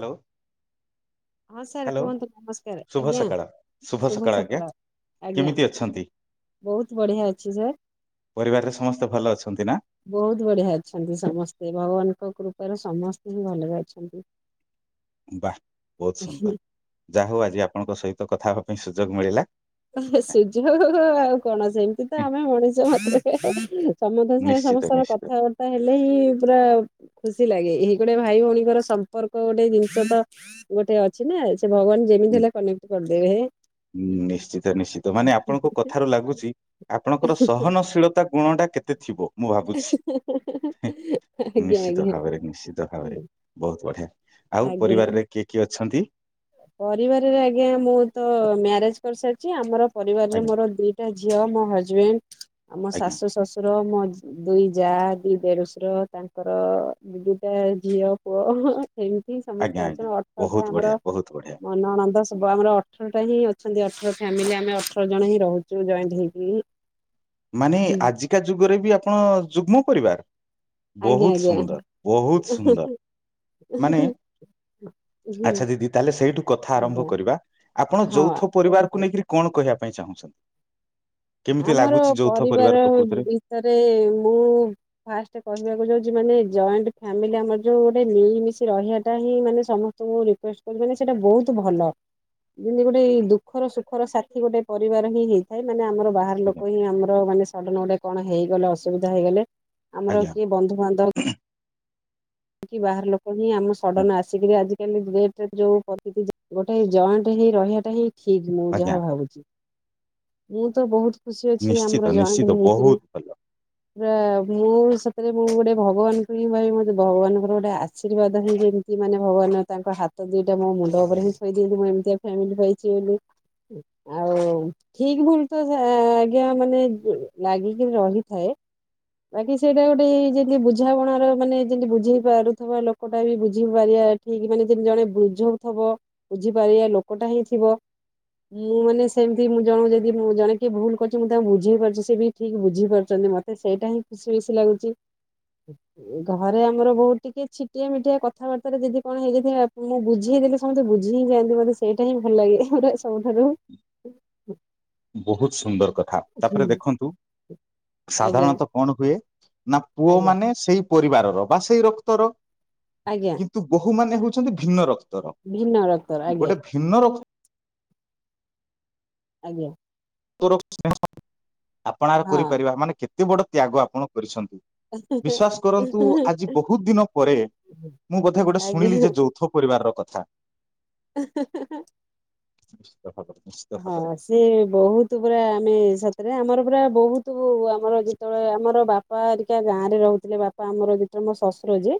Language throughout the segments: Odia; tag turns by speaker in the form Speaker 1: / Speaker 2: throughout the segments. Speaker 1: ହ୍ୟାଲୋ।
Speaker 2: ହଁ ସାର୍
Speaker 1: ହ୍ୟାଲୋ।
Speaker 2: କୁହନ୍ତୁ ନମସ୍କାର
Speaker 1: ଶୁଭ
Speaker 2: ଆଜ୍ଞା
Speaker 1: ସକାଳ। ଶୁଭ ସକାଳ, ଆଜ୍ଞା।
Speaker 2: ଆଜ୍ଞା
Speaker 1: କେମିତି ଅଛନ୍ତି?
Speaker 2: ବହୁତ ବଢ଼ିଆ ଅଛି ସାର୍।
Speaker 1: ପରିବାରରେ ସମସ୍ତେ ଭଲ ଅଛନ୍ତି ନା।
Speaker 2: ବହୁତ ବଢିଆ ଅଛନ୍ତି ସମସ୍ତେ। ଭଗବାନଙ୍କ କୃପାରୁ ସମସ୍ତେ ହିଁ ଭଲରେ ଅଛନ୍ତି।
Speaker 1: ବାଃ ବହୁତ ସୁନ୍ଦର। ଯାହା ହଉ ଆଜି ଆପଣଙ୍କ ସହିତ କଥା ହବା ପାଇଁ ସୁଯୋଗ ମିଳିଲା।
Speaker 2: ସୁଯୋଗ ଆଉ କଣ? ସେମତି ତ ଆମେ ମଣିଷ ମାତ୍ରକେ ସମସ୍ତଙ୍କ ସାଙ୍ଗେ
Speaker 1: ନିଶ୍ଚିତ
Speaker 2: ସମସ୍ତଙ୍କ
Speaker 1: ନିଶ୍ଚିତ
Speaker 2: କଥାବାର୍ତ୍ତା ହେଲେ, ଏ ପୁରା ଖୁସି ଲାଗେ। ଏଇ ଗୋଟେ ଭାଇ ଭଉଣୀଙ୍କର ସମ୍ପର୍କ ଗୋଟେ ଜିନିଷ ତ ଗୋଟେ ଅଛି ନା ସେ ଭଗବାନ ଯେମିତି ହେଲେ କନେକ୍ଟ କରିଦେବେ।
Speaker 1: ଉଁ ନିଶ୍ଚିତ। ନିଶ୍ଚିତ। ମାନେ ଆପଣଙ୍କ କଥାରୁ ଲାଗୁଛି, ଆପଣଙ୍କର ସହନଶୀଳତା ଗୁଣଟା କେତେ ଥିବ, ମୁଁ ଭାବୁଛି
Speaker 2: ଆଜ୍ଞା
Speaker 1: ନିଶ୍ଚିତ
Speaker 2: ଆଜ୍ଞା
Speaker 1: ଭାବରେ ନିଶ୍ଚିତ ଭାବରେ। ବହୁତ ବଢିଆ। ଆଉ
Speaker 2: ଆଜ୍ଞା।
Speaker 1: ପରିବାରରେ କିଏ କିଏ ଅଛନ୍ତି?
Speaker 2: ପରିବାରରେ ଆଜ୍ଞା, ମୁଁ ତ ମ୍ୟାରେଜ୍ କରିସାରିଛି। ଆମର ପରିବାରରେ
Speaker 1: ଆଜ୍ଞା
Speaker 2: ମୋର ଦି ଟା ଝିଅ, ମୋ ହଜବେଣ୍ଡ ଆଉ ମୋ
Speaker 1: ଆଜ୍ଞା
Speaker 2: ଶାଶୁ ଶଶୁର, ମୋ ଦୁଇ ଯା, ଦି ଦେଢଶୁର ତାଙ୍କର ଦି ଟା ଝିଅ ପୁଅ। ହୁଁ। ସେମିତି
Speaker 1: ଆଜ୍ଞା
Speaker 2: ସମସ୍ତେ
Speaker 1: ଆଜ୍ଞା।
Speaker 2: ଅଛନ୍ତି
Speaker 1: ବହୁତ
Speaker 2: ଅଠରଟା
Speaker 1: ବଢିଆ
Speaker 2: ଆମର
Speaker 1: ବହୁତ ବଢିଆ।
Speaker 2: ମୋ ନଣନ୍ଦ ସବୁ ଆମର ଅଠରଟା ହିଁ ଅଛନ୍ତି। ଅଠର ଫ୍ୟାମିଲି। ଆମେ ଅଠର ଜଣ ହିଁ ରହୁଛୁ, ଜଏଣ୍ଟ ହେଇକି।
Speaker 1: ମାନେ ଆଜିକା ଯୁଗରେ ବି ଆପଣ ଯୁଗ୍ମ ପରିବାର।
Speaker 2: ଆଜ୍ଞା
Speaker 1: ବହୁତ
Speaker 2: ଆଜ୍ଞା
Speaker 1: ସୁନ୍ଦର। ବହୁତ ସୁନ୍ଦର।
Speaker 2: ଉଁ ହୁଁ
Speaker 1: ମାନେ
Speaker 2: ହୁଁ।
Speaker 1: ଆଚ୍ଛା ଦିଦି ତା ହେଲେ ସେଇଠୁ କଥା ଆରମ୍ଭ
Speaker 2: ଆଜ୍ଞା
Speaker 1: କରିବା। ଆପଣ
Speaker 2: ହଁ
Speaker 1: ଯୌଥ
Speaker 2: କୁହନ୍ତୁ।
Speaker 1: ପରିବାରକୁ ନେଇକିରି କଣ କହିବା ପାଇଁ ଚାହୁଁଛ? କେମିତି
Speaker 2: ଆମର
Speaker 1: ଲାଗୁଛି? ଯୌଥ
Speaker 2: ପରିବାର
Speaker 1: ପ୍ରକୃତରେ
Speaker 2: ବିଷୟରେ ମୁଁ ଫାଷ୍ଟ କହିବାକୁ ଯାଉଛି ମାନେ ଜଏଣ୍ଟ ଫ୍ୟାମିଲି ଆମର ଯୋଉ ଗୋଟେ ମିଳିମିଶି ରହିବାଟା ହିଁ ମାନେ ସମସ୍ତଙ୍କୁ [unintelligible] ମାନେ ସେଟା ବହୁତ୍ ଭଲ। ଯେମିତି ଗୋଟେ ଇ ଦୁଃଖର ସୁଖର ସାଥି ଗୋଟେ ପରିବାର ହିଁ ହେଇଥାଏ ମାନେ ଆମର ବାହାର
Speaker 1: ଆଜ୍ଞା
Speaker 2: ଲୋକ ହିଁ ଆମର ମାନେ ସଡନ ଗୋଟେ କଣ ହେଇଗଲେ ଅସୁବିଧା ହେଇଗଲେ ଆମର
Speaker 1: ଆଜ୍ଞା
Speaker 2: କିଏ ବନ୍ଧୁବାନ୍ଧବ କି ବାହାର ଲୋକ ହିଁ ଆମ
Speaker 1: ଆଜ୍ଞା
Speaker 2: ସଡନ ଆସିକିରି ଆଜି ଆଜି କାଲି ଯୁଗରେ ଯୋଉ ଗୋଟେ ଜଏଣ୍ଟ ହେଇ ରହିବାଟା ହିଁ ଠିକ୍ ମୁଁ
Speaker 1: ଆଜ୍ଞା
Speaker 2: ଯାହା ଭାବୁଛି। ମୁଁ ତ ବୋହୁତ ଖୁସି ଅଛି
Speaker 1: ନିଶ୍ଚିତ
Speaker 2: ଆମର ଜଏଣ୍ଟ
Speaker 1: ନିଶ୍ଚିତ
Speaker 2: ହେଇକିରି
Speaker 1: ବହୁତ ଭଲ
Speaker 2: ପୁରା ମୁଁ ସତରେ ମୁଁ ଗୋଟେ ଭଗବାନ କୁ ହିଁ ଭାବି ମତେ ଭଗବାନଙ୍କର ଗୋଟେ ଆଶୀର୍ବାଦ ହେଇ ଯେମିତି ମାନେ ଭଗବାନ ତାଙ୍କ ହାତ ଦିଇଟା ମୋ ମୁଣ୍ଡ ଉପରେ ହିଁ ଥୋଇ ଦେଇଛି। ମୁଁ ଏମିତିଆ ଫ୍ୟାମିଲି ପାଇଛି ବୋଲି।
Speaker 1: [inaudible]
Speaker 2: ହଉ ଠିକ୍ ଭୁଲ ତ ଆଜ୍ଞା ମାନେ ଲାଗିକି ରହିଥାଏ। ବାକି ସେଇଟା ଗୋଟେ ଯେମିତି ବୁଝାମଣା ର ମାନେ ଯେମିତି ବୁଝେଇ ପାରୁଥିବା ଲୋକ ଲୋକଟା ବି ବୁଝି ପାରିବା ଠିକ୍ ମାନେ ଯେମିତି ଜଣେ ବୁଝଉ ଥିବ। ବୁଝିପାରିବା ଲୋକଟା ହେଇଥିବ। ମୁଁ ମାନେ ସେମିତି ଜଣକୁ ଯଦି ମୁଁ ଜଣେ କିଏ ଭୁଲ କରୁଛି। ମୁଁ ତାଙ୍କୁ ବୁଝେଇ ପାରୁଛି ସେ ବି ଠିକ ବୁଝିପାରୁଛନ୍ତି ମତେ ସେଇଟା ହିଁ ସୁଇସ ଲାଗୁଛି। ଘରେ ଆମର ବୋହୁତ ଟିକେ ଛିଟିଆ ମିଟିଆ କଥାବାର୍ତ୍ତାରେ ଯଦି କଣ ହେଇଯାଇଥିବ ମୁଁ ବୁଝେଇଦେଲି ସମତେ ବୁଝି ହିଁ ଯାଆନ୍ତି। ମୋତେ ସେଇଟା ହିଁ ଭଲ ଲାଗେ ପୁରା ସବୁଠାରୁ।
Speaker 1: ବୋହୁତ ସୁନ୍ଦର କଥା। ତାପରେ
Speaker 2: ହୁଁ
Speaker 1: ଦେଖନ୍ତୁ,
Speaker 2: ଆଜ୍ଞା
Speaker 1: ସାଧାରଣତଃ କଣ ହୁଏ? ନା ପୁଅ
Speaker 2: ଆଜ୍ଞା
Speaker 1: ମାନେ ସେଇ ପରିବାରର ବା ସେଇ ରକ୍ତର।
Speaker 2: ଆଜ୍ଞା।
Speaker 1: ତୁ ବୋହୁ ମାନେ ହଉଛନ୍ତି ଭିନ୍ନ ରକ୍ତର।
Speaker 2: ଭିନ୍ନ ରକ୍ତର ଆଜ୍ଞା
Speaker 1: ଗୋଟେ ଭିନ୍ନ ରକ୍ତ
Speaker 2: ଆଜ୍ଞା।
Speaker 1: [unintelligible] ଆପଣାର
Speaker 2: ହଁ।
Speaker 1: କରିପାରିବା। ମାନେ କେତେ ବଡ଼ ତ୍ୟାଗ ଆପଣ କରିଛନ୍ତି। ବିଶ୍ଵାସ କରନ୍ତୁ ଆଜି ବୋହୁତ ଦିନ ପରେ ମୁଁ ବୋଧେ ଗୋଟେ ଶୁଣିଲି
Speaker 2: ଆଜ୍ଞା।
Speaker 1: ଯେ ଯୌଥ ପରିବାରର କଥା।
Speaker 2: ହେଁ ହେଁ।
Speaker 1: ଦେଖ [unintelligible]
Speaker 2: ହଁ ସେ ବହୁତ୍ ପୁରା ଆମେ ସତରେ ଆମର ପୁରା ବୋହୁତ ଆମର ଯେତେବେଳେ ଆମର ବାପା ହେରିକା ଗାଁରେ ରହୁଥିଲେ। ବାପା ଆମର ଯେଟ ମୋ ଶଶୁର ଯେ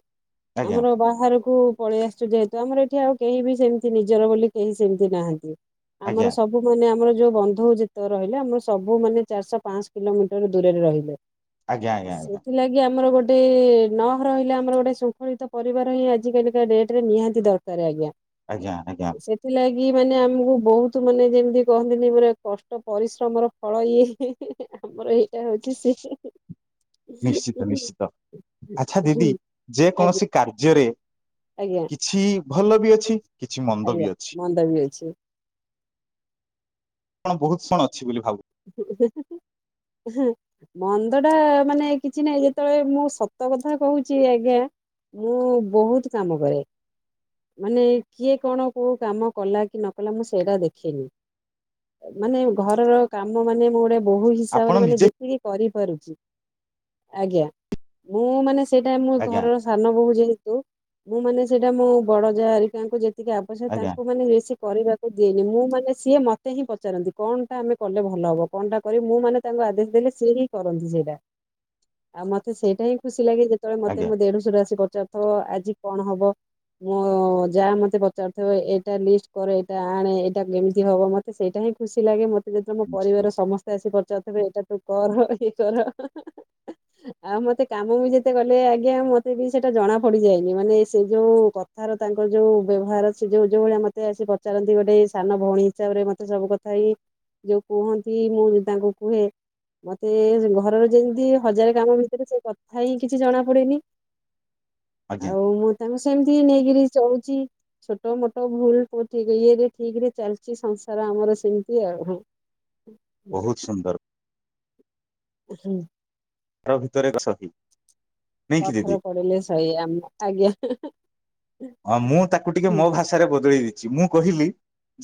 Speaker 1: ଆଜ୍ଞା
Speaker 2: ଆମର ବାହାରକୁ ପଳେଇ ଆସିଚୁ ଯେହେତୁ ଆମର ଏଠି ଆଉ କେହି ବି ସେମିତି ନିଜର ବୋଲି କେହି ସେମିତି ନାହାନ୍ତି।
Speaker 1: ଆଜ୍ଞା
Speaker 2: ଆମର ସବୁ ମାନେ ଆମର ଯୋଉ ବନ୍ଧୁ ଯେତେକ ରହିଲେ। ଆମର ସବୁ ମାନେ ଚାରିଶ ପାଞ୍ଚଶ କିଲୋମିଟର ଦୂରରେ ରହିଲେ।
Speaker 1: ଆଜ୍ଞା ଆଜ୍ଞା ଆଜ୍ଞା
Speaker 2: ସେଥିଲାଗି ଆମର ଗୋଟେ ଗୋଟେ ନ ରହିଲେ ଆମର ଗୋଟେ ଶୃଙ୍ଖଳିତ ପରିବାର ହିଁ ଆଜି କାଲିକା ଡେଟରେ ନିହାତି ଦରକାର ଆଜ୍ଞା।
Speaker 1: ଆଜ୍ଞା ଆଜ୍ଞା।
Speaker 2: ସେଥିଲାଗି ମାନେ ଆମକୁ ବହୁତ୍ ତୁ ମାନେ ଯେମିତି କହନ୍ତିନି ମୋର କଷ୍ଟ ପରିଶ୍ରମର ଫଳ ଇଏ। ଆମର ଏଇଟା ହଉଛି ସେ
Speaker 1: ନିଶ୍ଚିତ ନିଶ୍ଚିତ। ଆଚ୍ଛା ଦିଦି
Speaker 2: ଆଜ୍ଞା
Speaker 1: ଯେକୌଣସି କାର୍ଯ୍ୟରେ
Speaker 2: ଆଜ୍ଞା
Speaker 1: କିଛି ଭଲ ବି ଅଛି କିଛି ମନ୍ଦ
Speaker 2: ଆଜ୍ଞା
Speaker 1: ବି ଅଛି।
Speaker 2: ମନ୍ଦ ବି ଅଛି।
Speaker 1: ଆପଣ ବହୁତ ଶଣ ଅଛି ବୋଲି ଭାବୁ
Speaker 2: [unintelligible] ହୁଁ। ମନ୍ଦ ଟା ମାନେ କିଛି ନାହିଁ ଯେତେବେଳେ ମୁଁ ସତ କଥା କହୁଛି ଆଜ୍ଞା ମୁଁ ବହୁତ କାମ କରେ। ମାନେ କିଏ କଣ କୋଉ କାମ କଲା କି ନ କଲା ମୁଁ ସେଇଟା ଦେଖିନି। ମାନେ ଘରର କାମ ମାନେ ମୁଁ ଗୋଟେ ବୋହୂ
Speaker 1: ଆପଣ
Speaker 2: ହିସାବରେ ମାନେ
Speaker 1: ନିଜେ
Speaker 2: ଯେତିକି କରିପାରୁଛି ଆଜ୍ଞା ମୁଁ ମାନେ ସେଇଟା ମୁଁ
Speaker 1: ଆଜ୍ଞା
Speaker 2: ଘରର ସାନ ବୋହୂ ଯେହେତୁ ମୁଁ ମାନେ ସେଇଟା ମୋ ବଡ ଯା ହାରିକାଙ୍କୁ ଯେ ଟିକେ ଆବଶ୍ୟକ
Speaker 1: ଆଜ୍ଞା
Speaker 2: ତାଙ୍କୁ ମାନେ ବେଶୀ କରିବାକୁ ଦିଏନି ମୁଁ ମାନେ ସିଏ ମତେ ହିଁ ପଚାରନ୍ତି କଣ ଟା ଆମେ କଲେ ଭଲ ହବ କଣଟା କରି ମୁଁ ମାନେ ତାଙ୍କୁ ଆଦେଶ ଦେଲେ ସିଏ ହିଁ କରନ୍ତି ସେଇଟା।
Speaker 1: [inaudible]
Speaker 2: ଆଉ ମତେ ସେଇଟା ହିଁ ଖୁସି ଲାଗେ ଯେତେବେଳେ ମତେ
Speaker 1: ଆଜ୍ଞା
Speaker 2: ମୁଁ ଦେଢ଼ଶୁୁର ଆସି ପଚାରୁଥିବ ଆଜି କଣ ହବ? ମୁଁ ଯାଆ ମତେ ପଚାରୁଥିବ ଏଇଟା ଲିଷ୍ଟ କରେ ଏଇଟା ଆଣେ ଏଇଟା କେମିତି ହବ ମ ତେ ସେଇଟା ହିଁ ଖୁସି ଲାଗେ ମତେ ଯେତେବେଳେ ପରିବାର ସମସ୍ତେ ଆସି ପଚାରୁଥିବେ ଏଇଟା ତୁ କର ଇଏ କର। ଆଉ ମତେ କାମ ବି ଯେତେ କଲେ ଆଜ୍ଞା ମତେ ବି ସେଟା ଜଣା ପଡିଯାଏନି ମାନେ ସେ ଯୋଉ କଥାର ତାଙ୍କର ଯୋଉ ବ୍ୟବହାର ସେ ଯୋଉ ଯୋଉ ଭଳିଆ ମତେ ଆସି ପଚାରନ୍ତି ଗୋଟେ ସାନ ଭଉଣୀ ହିସାବରେ ମତେ ସବୁ ଭାଇ ଯୋଉ କୁହନ୍ତି ମୁଁ ତାଙ୍କୁ କୁହେ ମତେ ଘରର ଯେମିତି ହଜାରେ କାମ ଭିତରେ ସେ କଥା ହିଁ କିଛି ଜଣା ପଡେନି।
Speaker 1: ଆଜ୍ଞା
Speaker 2: ଆଉ ମୁଁ ତାଙ୍କୁ ସେମିତି ନେଇକିରି ଚଳୁଛି। ଛୋଟ ମୋଟ ଭୁଲ କୋଉଠିକ ଇଏରେ ଠିକ୍ ରେ ଚାଲିଛି ସଂସାର ଆମର ସେମିତି ଆଉ। ହଁ। [inaudible]
Speaker 1: ବହୁତ ସୁନ୍ଦର।
Speaker 2: ହୁଁ।
Speaker 1: ଘର ଭିତରେ ଏକ ସାହି
Speaker 2: ପଥର ପଡ଼ିଲେ ସହି ଆମେ ଆଜ୍ଞା
Speaker 1: ହଁ ମୁଁ ତାକୁ ଟିକେ ମୋ ଭାଷାରେ ବଦଳେଇ ଦେଇଛି ମୁଁ କହିଲି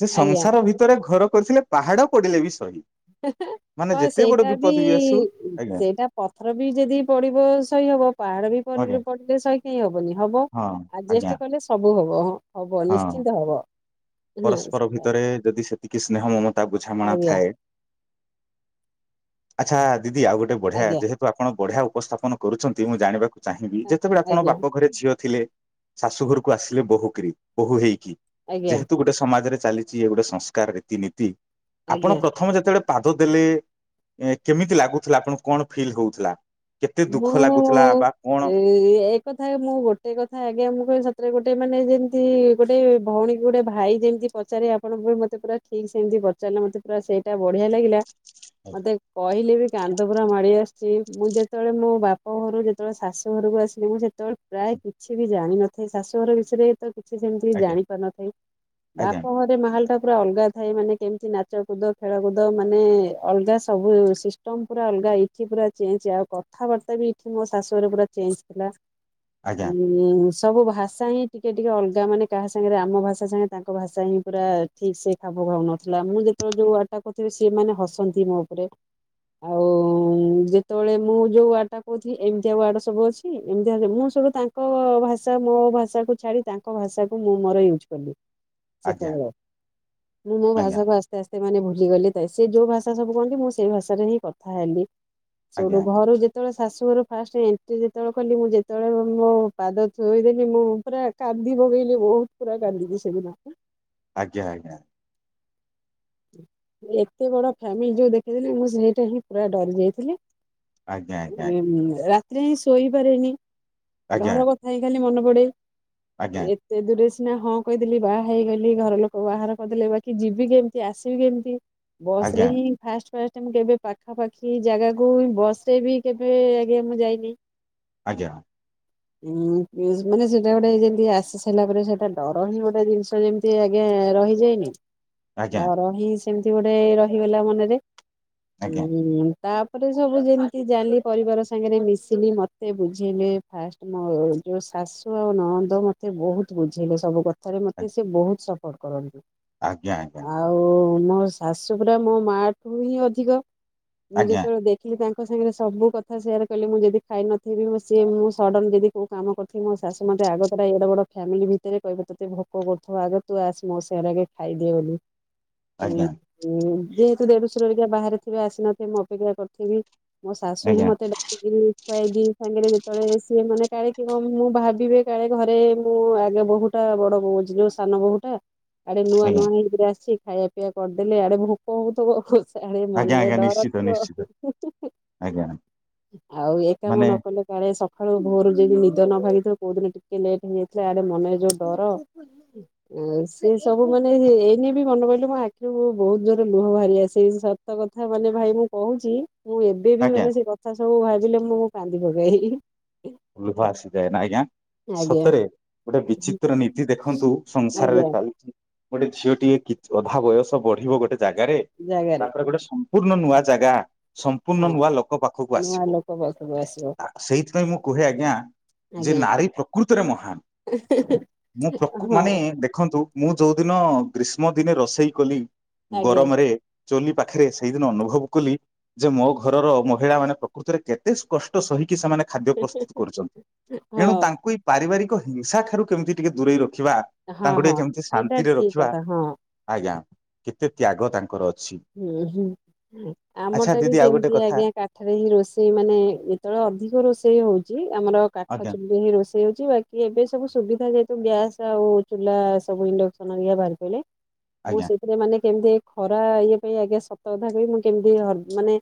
Speaker 1: ଯେ
Speaker 2: ଆଜ୍ଞା।
Speaker 1: ସଂସାର ଭିତରେ ଘର କରିଥିଲେ ପାହାଡ଼ ପଡ଼ିଲେ ବି ସହି।
Speaker 2: ହେଁ ହେଁ।
Speaker 1: ମାନେ
Speaker 2: ହଁ
Speaker 1: ଯେତେ ବଡ
Speaker 2: ସେଇଟା ବି
Speaker 1: ବିପଦ ଆସୁ ଆଜ୍ଞା
Speaker 2: ସେଇଟା ପଥର ବି ଯଦି ପଡ଼ିବ ସହି ହବ। ପାହାଡ଼ ବି
Speaker 1: ଆଜ୍ଞା
Speaker 2: ପଡ଼ିଲେ ସହି କାହିଁ ହବନି ହବ
Speaker 1: ହଁ ଆଜ୍ଞା
Speaker 2: ଆଡଜଷ୍ଟ କଲେ ସବୁ ହବ ହଁ। ହବ
Speaker 1: ହଁ
Speaker 2: ନିଶ୍ଚିନ୍ତ ହବ।
Speaker 1: ପରସ୍ପର ଭିତରେ ଯଦି ସେ ଟିକେ ସ୍ନେହ ମମତା ବୁଝାମଣା
Speaker 2: ଆଜ୍ଞା
Speaker 1: ଥାଏ ଆଛା ଦିଦି ଆଉ ଗୋଟେ ବଢ଼ିଆ
Speaker 2: ଆଜ୍ଞା
Speaker 1: ଯେହେତୁ ଆପଣ ବଢ଼ିଆ ଉପସ୍ଥାପନ କରୁଛନ୍ତି ମୁଁ ଜାଣିବାକୁ ଚାହିଁବି ଯେତେବେଳେ ଆପଣ
Speaker 2: ଆଜ୍ଞା
Speaker 1: ବାପ ଘରେ ଝିଅ ଥିଲେ ଶାଶୁ ଘରକୁ ଆସିଲେ ବୋହୂ କିରି ବୋହୂ ହେଇକି
Speaker 2: ଆଜ୍ଞା।
Speaker 1: ଯେହେତୁ ଗୋଟେ ସମାଜରେ ଚାଲିଛି ଏ ଗୋଟେ ସଂସ୍କାରର ରୀତିନୀତି ଆପଣ ପ୍ର
Speaker 2: ଆଜ୍ଞା
Speaker 1: ପ୍ରଥମେ ଯେତେବେଳେ ପାଦ ଦେଲେ ଏ କେମିତି ଲାଗୁଥିଲା ଆପଣଙ୍କୁ କଣ ଫିଲ୍ ହଉଥିଲା? କେତେ ଦୁଃଖ
Speaker 2: ମୁଁ
Speaker 1: ଲାଗୁଥିଲା ବା କଣ
Speaker 2: ଏ ଏ କଥା ମୁଁ ଗୋଟେ କଥା ଆଜ୍ଞା ମୁଁ କହିବି ସତରେ ଗୋଟେ ମାନେ ଯେମିତି ଗୋଟେ ଭଉଣୀ କି ଗୋଟେ ଭାଇ ଯେମିତି ପଚାରେ ଆପଣଙ୍କୁ ବି ମତେ ପୁରା ଠିକ୍ ସେମିତି ପଚାରିଲା ମତେ ପୁରା ସେଇଟା ବଢିଆ ଲାଗିଲା। ମତେ କହିଲେ ବି କାନ୍ଦ ପୁରା ମାଡି ଆସୁଛି ମୁଁ ଯେ ଯେତେବେଳେ ମୋ ବାପ ଘରୁ ଯେତେବେଳେ ଶାଶୁ ଘରକୁ ଆସିଲେ ମୁଁ ସେତେବେଳେ ପ୍ରାୟ କିଛି ବି ଜାଣିନଥାଏ ଶାଶୁ ଘର ବିଷୟରେ ତ କିଛି ସେମିତି ବି
Speaker 1: ଆଜ୍ଞା
Speaker 2: ଜାଣି ପାରିନଥାଏ
Speaker 1: ଆଜ୍ଞା
Speaker 2: ବାପ ଘ ର ମାହାଲ ଟା ପୁରା ଅଲଗା ଥାଏ ମାନେ କେମିତି ନାଚ କୁଦ ଖେଳ କୁଦ ମାନେ ଅଲଗା ସବୁ ସି ଏକଦମ ପୁରା ଅଲଗା ଇିଚି ପୁରା ଚେଁ ଚା କଥାବାର୍ତ୍ତା ବି ଏଠି ମୋ ଶାଶୁ ଘରେ ପୁରା ଚେଞ୍ଜ ଥିଲା
Speaker 1: ଆଜ୍ଞା
Speaker 2: ଉଁ। ହୁଁ ସବୁ ଭାଷା ହିଁ ଟିକେ ଟିକେ ଅଲଗା ମାନେ କାହା ସାଙ୍ଗରେ ଆମ ଭାଷା ସାଙ୍ଗେ ତାଙ୍କ ଭାଷା ହିଁ ପୁରା ଠିକ୍ ସେ ଖାପ ଖାଉ ନଥିଲା ମୁଁ ଯେତେଳେ ଯୋଉ ଭାସା କହୁଥିବି ସେମାନେ ହସନ୍ତି ମୋ ଉପରେ। ଆଉ ଯେତେବେଳେ ମୁଁ ଯୋଉ ୱାର୍ଡଟା କହୁଥିଲି ଏମତିଆ ୱାର୍ଡ ସବୁ ଅଛି ଏମିତିଆ ମୁଁ ସବୁ ତାଙ୍କ ଭାଷା ମୋ ଭାଷା କୁ ଛାଡି ତାଙ୍କ ଭାଷାକୁ ମୁଁ ମୋର ୟୁଜ୍ କଲି
Speaker 1: ଆଜ୍ଞା
Speaker 2: ସେତେବେଳେ ମୁଁ ମୋ
Speaker 1: ଆଜ୍ଞା
Speaker 2: ଭାଷାକୁ ଆସ୍ ଆସ୍ତେ ଆସ୍ତେ ମାନେ ଭୁଲିଗଲି ତେ ସେ ଯୋଉ ଭାଷା ସବୁ କୁହନ୍ତି ମୁଁ ସେଇ ଭାଷାରେ ହିଁ କଥା ହେଲି ସବୁ।
Speaker 1: ଆଜ୍ଞା
Speaker 2: ମୋରୁ ଯେତେବେଳେ ଶାଶୁଘର ଫାଷ୍ଟ ଏଣ୍ଟ୍ରି ଯେତେଳେ କଲି ମୁଁ ଯେତେଳେ ମୋ ପାଦ ଥୋଇଦେଲି ମୁଁ ପୁରା କାନ୍ଦି ପକେଇଲି ମୁଁ ପୁରା କାନ୍ଦିଲି ସେ ଦିନ।
Speaker 1: ଆଜ୍ଞା ଆଜ୍ଞା।
Speaker 2: ଏତେ ବଡ ଫ୍ୟାମିଲ ଯୋଉ ଦେଖିଦେଲି ମୁଁ ସେଇଟା ହିଁ ପୁରା ଡରି ଯାଇଥିଲି।
Speaker 1: ଆଜ୍ଞା ଆଜ୍ଞା ଆଜ୍ଞା
Speaker 2: ଏମ୍ ରାତିରେ ହିଁ ଶୋଇପାରେନି ଘର
Speaker 1: ଆଜ୍ଞା
Speaker 2: କ କଥା ହିଁ ଖାଲି ମନେ ପଡେ
Speaker 1: ଆଜ୍ଞା
Speaker 2: ଏ ତେ ଦୂରେ ସିନା ହଁ କହିଦେଲି ବାହା ହେଇଗଲି ଘର ଲୋକ ବାହାର କହିଦେଲେ ବାକି ଯିବି କେମ୍ ସେ ଆସିବି କେମିତି ବସ
Speaker 1: ଆଜ୍ଞା
Speaker 2: ରେ ହିଁ ହିଁ। ଫାଷ୍ଟ ଫାଷ୍ଟ ମୁଁ କେବେ ପାଖାପାଖି ଜାଗାକୁ ବସ ରେ ବି କେବେ ଆଜ୍ଞା ମୁଁ ଯାଇନି।
Speaker 1: ଆଜ୍ଞା।
Speaker 2: ଉଁ ମାନେ ସେଇଟା ଗୋଟେ ଯେମିତି ଆସି ସାଇଲା ପରେ ସେଇଟା ଡର ହିଁ ଗୋଟେ ଜିନିଷ ଯେମି ତି ଆଜ୍ଞା ରହିଯାଏନି।
Speaker 1: ଆଜ୍ଞା
Speaker 2: ଡର ହି ସେମିତି ଗୋଟେ ରହିଗଲା ମନରେ
Speaker 1: ଆଜ୍ଞା
Speaker 2: ହୁଁ। ତାପରେ ସବୁ ଯେମିତି ଜାଲି ପରିବାର ସାଙ୍ଗରେ ମିଶିନି ମତେ ବୁଝେଇଲେ। ଫାଷ୍ଟ ମୋ ଯୋଉ ଶାଶୁ ଆଉ ନଣନ୍ଦ ମତେ ବହୁତ୍ ବୁଝେଇଲେ ସବୁ କ କଥାରେ ମତେ ସେ ବହୁତ୍ ସପୋର୍ଟ କରନ୍ତି।
Speaker 1: ଆଜ୍ଞା ଆଜ୍ଞା।
Speaker 2: ଆଉ ମୋ ଶାଶୁ ପୁରା ମୋ ମା ଠୁ ହିଁ ଅଧିକ ମୁଁ
Speaker 1: ଆଜ୍ଞା ଆଜ୍ଞା
Speaker 2: ଯେତେବେଳେ ଦେ ଦେଖିଲି ତାଙ୍କ ସାଙ୍ଗରେ ସବୁ କଥା ସେୟାର୍ କଲି ମୁଁ ଯଦି ଖାଇନଥିବି ସିଏ ମୁଁ ସଡ଼ନ୍ ଯଦି କୋଉ କାମ କରିଥିବି ମୋ ଶାଶୁ ମତେ ଆଗତୁରା ଏଡେ ବଡ ଫାମିଲି ଭିତରେ କହିବେ ତୋତେ ଭୋକ କରୁଥୁବ ଆଗ ତୁ ଆସ୍ ମୋ ସାଙ୍ଗରେ ଆଗେ ଖାଇଦିଏ ବୋଲି ଉଁ।
Speaker 1: ଆଜ୍ଞା
Speaker 2: ହୁଁ ଯେହେତୁ ଦେଢଶୁର ହେରିକ ବାହାରେ ଥିବେ ଆସିନଥିବେ ମୁଁ ଅପେକ୍ଷା କରିଥିବି ମୋ ଶଶୁ ହିଁ
Speaker 1: ଆଜ୍ଞା
Speaker 2: ମତେ [inaudible] ଦିନି ସାଙ୍ଗରେ ଯେତେଳେ ସିଏ ମାନେ କାଳେ କିଏ କ ମୁଁ ଭାବିବେ କାଳେ ଘରେ ମୁଁ ଆଗେ ବହୁତ୍ ତା ବଡ ବୋହୁ ଅଛି ଯୋଉ ସାନ ବୋହୁଟା ଆଡେ ନୂଆ ନୂଆ
Speaker 1: ଆଜ୍ଞା
Speaker 2: ହେଇକିରେ ଆସିଛି ଖାଇବା ପିଇଆ କରିଦେଲେ ଆଡେ ଭୋକ ହଉଥିବ ହସ୍ କାଳେ
Speaker 1: ଆଜ୍ଞା
Speaker 2: ମନରେ
Speaker 1: ଆଜ୍ଞା
Speaker 2: ଡର
Speaker 1: ନିଶ୍ଚିତ
Speaker 2: ଥିବ
Speaker 1: ନିଶ୍ଚିତ ଆଜ୍ଞା
Speaker 2: ଆଉ ଏ କାମ
Speaker 1: ମାନେ
Speaker 2: ନ କଲେ। କାଳେ ସକାଳୁ ଭୋର ଯାଇକି ନିଦ ନ ଭାଗିଥିବ କୋଉ ଦିନ ଟିକେ ଲେଟ୍ ହେଇଯାଇଥିଲା ଆଡେ ମନରେ ଯୋଉ ଡର। ଆଉ ସେ ସବୁ ମାନେ ଏଇନେ ବି ମନେ ପଡ଼ିଲେ ମୋ ଆଖିରୁ ବହୁତ୍ ଜୋରରେ ଲୁହ ବାହାରି ଆସେ ସତ କଥା ମାନେ ଭାଇ ମୁଁ। କହୁଛି ମୁଁ ଏବେ ବି
Speaker 1: ଆଜ୍ଞା
Speaker 2: ମାନେ ସେ କଥା ସବୁ ଭାବିଲେ ମୁଁ କାନ୍ଦି ପକାଇ।
Speaker 1: ଲୁହ ଆସିଯାଏ ନା ଆଜ୍ଞା।
Speaker 2: ଆଜ୍ଞା।
Speaker 1: ସତରେ ଗୋଟେ ବିଚିତ୍ର ନୀତି ଦେଖନ୍ତୁ ସଂସାରରେ
Speaker 2: ଆଜ୍ଞା
Speaker 1: ଚାଲିଛି। ଗୋଟେ ଝିଅ ଟିଏ କିଛି ଅଧା ବୟସ ବଢିବ ଗୋଟେ ଜାଗାରେ
Speaker 2: ଜାଗାରେ
Speaker 1: ତାପରେ ଗୋଟେ ସ ସମ୍ପୂର୍ଣ ନୂଆ ଜାଗା ସମ୍ପୂର୍ଣ୍ଣ
Speaker 2: ହଁ
Speaker 1: ନୂଆ ଲୋକ ପାଖକୁ
Speaker 2: ନୂଆ
Speaker 1: ଆସିବ।
Speaker 2: ଲୋକ ପାଖକୁ ଆସିବ।
Speaker 1: ସେଇଥିପାଇଁ ମୁଁ କୁହେ ଆଜ୍ଞା। ଯେ
Speaker 2: ଆଜ୍ଞା
Speaker 1: ନାରୀ ପ୍ରକୃତରେ ମହାନ ମୁଁ ପ୍ରକୃ
Speaker 2: ହଁ
Speaker 1: ମାନେ ଦେଖନ୍ତୁ। ମୁଁ ଯଉଦିନ ଗ୍ରୀଷ୍ମ ଦିନେ ରୋଷେଇ କଲି
Speaker 2: ଆଜ୍ଞା
Speaker 1: ଗରମରେ। ଚୁଲି ପାଖରେ ସେଇଦିନ ଅନୁଭବ କଲି ଯେ ମୋ ଘରର ମହିଳା ମାନେ ପ୍ରକୃତିରେ କେ ତେ କଷ୍ଟ ସହିକି ସେମାନେ ଖାଦ୍ୟ ପ୍ରସ୍ତୁତ କରୁଛନ୍ତି ଏଣୁ
Speaker 2: ହଁ
Speaker 1: ତା କୁ ଏଇ ପାରିବାରିକ ହିଂସା ଠାରୁ କେମିତି ଟିକେ ଦୂରେଇ ରଖିବା।
Speaker 2: ହଁ
Speaker 1: ତାଙ୍କୁ ଟିକେ
Speaker 2: ହଁ।
Speaker 1: କେମିତି
Speaker 2: ସେଇଟା
Speaker 1: ଶାନ୍ତିରେ
Speaker 2: ଠିକ
Speaker 1: ରଖିବା
Speaker 2: କଥା ହଁ
Speaker 1: ଆଜ୍ଞା କେତେ ତ୍ୟାଗ ତାଙ୍କର ଅଛି।
Speaker 2: ଉଁ ହୁଁ
Speaker 1: ଆଚ୍ଛା
Speaker 2: ଆମଟା ବି
Speaker 1: ଦିଦି ଆଉ ଗୋଟେ
Speaker 2: ସେମତି
Speaker 1: କଥା
Speaker 2: ଆଜ୍ଞା କା ଏଠାରେ ହି ରୋଷେଇ ମାନେ ଯେତେବେଳେ ଅଧିକ ରୋଷେଇ ହୋଉଚି ଆମର କାଠ
Speaker 1: ଆଜ୍ଞା
Speaker 2: ଚୁଲିରେ ହିଁ ରୋଷେଇ ହଉଚି ବା କି ଏବେ ସବୁ ସୁବିଧା ଯେହେତୁ ଗ୍ୟାସ ଆଉ ଚୁଲା ସବୁ ଇଣ୍ଡକ୍ସନ ହେରିକା ବାହାରି ପଇଲା ମୁଁ
Speaker 1: ଆଜ୍ଞା।
Speaker 2: ସେଇଥିରେ ମାନେ କେମିତି ଖରା ଇଏ ପାଇଁ ଆଜ୍ଞା ସତ କଥା କହି ମୁଁ କେମିତି ଅ ମାନେ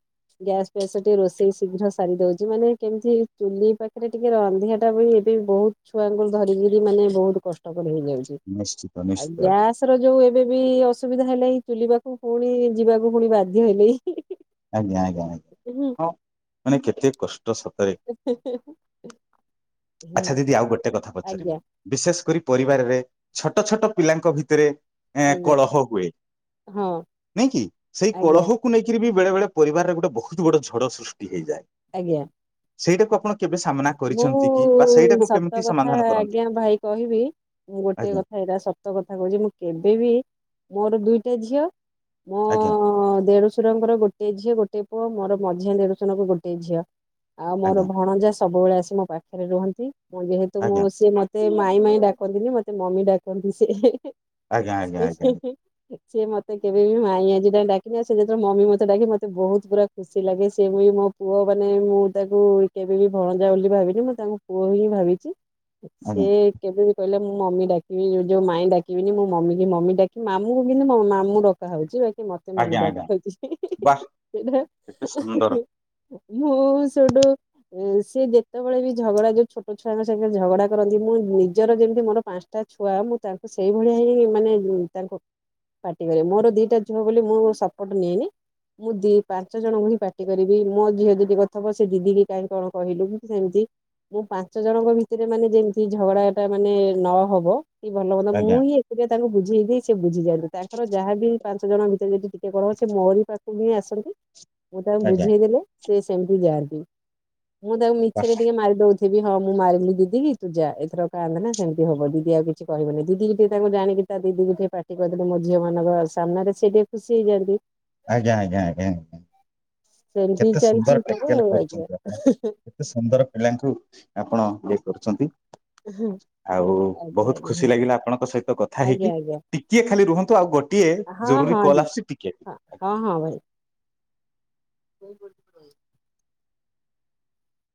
Speaker 2: ଗ୍ୟାସ୍ ଫ୍ୟାସେ ଟିକେ ରୋଷେଇ ଶୀଘ୍ର ସାରି ଦୋଉଚି ମାନେ କେମିତି ଚୁଲି ପାଖରେ ଟିକେ ରାନ୍ଧିଆଟା ବି କି ବୋହୁତ ଛୁଆଙ୍କୁ ଧରିକିରି ମାନେ ବୋହୁତ କଷ୍ଟକର ହେଇଯାଉଚି
Speaker 1: ନିଶ୍ଚିତ
Speaker 2: ଆଉ
Speaker 1: ନିଶ୍ଚିତ ଆଜ୍ଞା
Speaker 2: ଗ୍ୟାସ୍ ଏଥର ଯୋଉ ଏବେ ବି ଅସୁବିଧା ହେଲାଇ ଚୁଲି ପାଖୁ ପୁଣି ଯିବାକୁ ପୁଣି ବାଧ୍ୟ ହେଲି।
Speaker 1: ଆଜ୍ଞା ଆଜ୍ଞା ହଁ ମାନେ କେତେ କଷ୍ ଟ ସତରେ
Speaker 2: ହୁଁ
Speaker 1: ଆଛା ଦିଦି ଆଉ ଗୋଟେ କଥା ପଚାରିବି।
Speaker 2: ଆଜ୍ଞା
Speaker 1: ବିଶେଷ କରି ପରିବାରରେ ଛୋଟ ଛୋଟ ପିଲାଙ୍କ ଭିତରେ ଏଁ
Speaker 2: ଆଜ୍ଞା
Speaker 1: କଳହ ହୁଏ
Speaker 2: ହଁ
Speaker 1: ନାଇଁ କି ସେଇ
Speaker 2: ଆଜ୍ଞା
Speaker 1: କଳହକୁ ନେଇକିରି ବି ବେଳେବେଳେ ପରିବାରରେ ଗୋଟେ ବୋହୁତ ବଡ଼ ଝଡ଼ ସୃଷ୍ଟି ହେଇଯାଏ।
Speaker 2: ଆଜ୍ଞା।
Speaker 1: ସେଇଟାକୁ ଆପଣ କେବେ ସାମ୍ନା
Speaker 2: ମୁଁ
Speaker 1: କରିଛନ୍ତି କି ବା ସେଇଟାକୁ
Speaker 2: ସତ
Speaker 1: କେମିତି
Speaker 2: କଥା
Speaker 1: ସମାଧାନ କରନ୍ତି?
Speaker 2: ଆଜ୍ଞା ଭାଇ କହିବି ମୁଁ ଗୋଟେ
Speaker 1: ଆଜ୍ଞା
Speaker 2: କଥା ଏଇଟା ସ ତ କଥା କହୁଚି ମୁଁ କେବେ ବି ମୋର ଦୁଇଟା ଝିଅ ମୋ
Speaker 1: ଆଜ୍ଞା
Speaker 2: ଦେଢ଼ଶୁରଙ୍କର ଗୋଟିଏ ଝିଅ ଗୋଟେ ପୁଅ ମୋର ମଝିଆ ଦେଢଶୁରଙ୍କ ଗୋଟେ ଝିଅ। ଆଉ ମୋର
Speaker 1: ଆଜ୍ଞା
Speaker 2: ଭଣଜା ସବୁବେଳେ ଆସି ମୋ ପାଖରେ ରୁହନ୍ତି ମୁଁ ଯେହେତୁ ମୁଁ
Speaker 1: ଆଜ୍ଞା
Speaker 2: ସିଏ ମ ତେ ମାଇଁ ମାଇଁ ଡାକନ୍ତିନି ମତେ ମମି ଡାକନ୍ତି ସେ
Speaker 1: ଆଜ୍ଞା ଆଜ୍ଞା ଆଜ୍ଞା
Speaker 2: ସେ। ସିଏ ମତେ କେବେ ବି ମାଇଁ ଆଜି ଯାଏ ଡ଼ାକିନାଇ ସିଏ ଯେତେବେଳେ ମମି ମତେ ଡ଼ାକେ ମତେ ବହୁତ ପୁରା ଖୁସି ଲାଗେ ସେ ମୁଇଁ ମୋ ପୁଅ ମାନେ ମୁଁ ତାକୁ କେବେ ବି ଭଣଜା ବୋଲି ଭାବିନି ମୁଁ ତାଙ୍କୁ ପୁଅ ହିଁ ଭାବିଚି ସେ କେବେ ବି କହିଲେ ମୁଁ ମମି ଡ଼ାକିବି ଯୋଉ ମାଇଁ ଡ଼ାକିବିନି ମୁଁ ମମି କି ମମି ଡ଼ାକିବି ମାମୁଁକୁ କିନ୍ତୁ ମ ମାମୁ ଡ଼ାକୁ କା ହଉଚି ବାକି ମତେ ମମି
Speaker 1: ଆଜ୍ଞା ଆଜ୍ଞା
Speaker 2: ଡ଼କା
Speaker 1: ଆଜ୍ଞା
Speaker 2: ହଉଚି
Speaker 1: ବାସ୍
Speaker 2: ସେଇଟା।
Speaker 1: କେତେ ସୁନ୍ଦର
Speaker 2: ମୁଁ ସେଇଟୁ ଉଁ ସେ ଯେତେବେଳେ ବି ଝଗଡ଼ା ଯୋଉ ଛୋଟ ଛୁଆଙ୍କ ସାଙ୍ଗରେ ଝଗଡ଼ା କରନ୍ତି ମୁଁ ନିଜର ଯେମିତି ମୋର ପାଞ୍ଚ ଟା ଛୁଆ ମୁଁ ତାଙ୍କୁ ସେଇଭଳିଆ ହିଁ ମାନେ ତାଙ୍କୁ ପାଟି କରେ ମୋର ଦିଟା ଝୁଅ ବୋଲି ମୁଁ ସପୋର୍ଟ ନିଏନି। ମୁଁ ଦି ପାଞ୍ଚ ଜଣଙ୍କୁ ହିଁ ପାଟି କରିବି ମୋ ଝିଅ ଜିଦି କରୁଥିବ ସେ ଦିଦି କିି କାଇଁ କଣ କହିଲୁ କି ତୁ ଏମିତି ମୁଁ ପାଞ୍ଚ ଜଣଙ୍କ ଭିତରେ ମାନେ ଯେମିତି ଝଗଡ଼ାଟା ମାନେ ନହବ କି ଭଲ ମନ୍ଦ ମୁଁ
Speaker 1: ଆଜ୍ଞା
Speaker 2: ହିଁ ସେଟା ତାଙ୍କୁ ବୁଝେଇ ଦିଏ ସେ ବୁଝିଜାନ୍ତି ତାଙ୍କର ଯାହା ବି ପାଞ୍ଚ ଜଣ ଭିତରେ ଯଦି ଟିକେ କଣ ହବ ସେ ମୋରି ପା ଖକୁ ହିଁ ଆସନ୍ତି ମୁଁ ତାଙ୍କୁ
Speaker 1: ଆଜ୍ଞା
Speaker 2: ବୁଝେଇ ଦେଲେ ସେ ସେମିତି ଯାଆନ୍ତି। ମୁଁ ତାଙ୍କୁ ମିଛରେ
Speaker 1: ବାସ୍
Speaker 2: ଟିକେ ମାରି ଦୋଉ ଥିବି ହଁ ମୁଁ ମାରିଲି ଦିଦି କି ତୁ ଯା ଏଥର ଆଉ କାନ୍ଦେନା ସେମିତି ହବ ଦିଦି ଆଉ କିଛି କହିବନି ଦିଦିକି ଟିକେ ତାଙ୍କୁ ଜାଣିକି ତା ଦିଦିକି ଟିଏ ପାଟି କରିଦେଲେ ମୋ ଝିଅ ମାନଙ୍କ ସାମ୍ନାରେ ସେ ଟିକେ ଖୁସି ହେଇଯାଆନ୍ତି।
Speaker 1: ଆଜ୍ଞା ଆଜ୍ଞା ଆଜ୍ଞା।
Speaker 2: ସେମିତି
Speaker 1: କେତେ
Speaker 2: ଚାଲିଚି ସବୁ ଆଜ୍ଞା।
Speaker 1: ଏତେ ସୁନ୍ଦର ପିଲାଙ୍କୁ ଆପଣ ଇଏ କରୁଚନ୍ତି ଆଉ
Speaker 2: ଆଜ୍ଞା
Speaker 1: ବୋହୁତ ଖୁସି
Speaker 2: ଆଜ୍ଞା
Speaker 1: ଲାଗିଲା ଆପଣଙ୍କ ସହିତ କଥା ହେଇକି
Speaker 2: ଆଜ୍ଞା ଆଜ୍ଞା।
Speaker 1: ଟି କିଏ ଖାଲି ରୁହନ୍ତୁ ଆଉ ଗୋ
Speaker 2: ହଁ ହଁ ଦି ହ ହଁ ହଁ ଭାଇ। ସୋଇପଡୁ